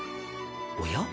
おや？